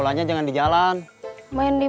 ada satu hal yang berbeda coming what we teachers